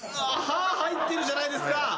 歯入ってるじゃないですか！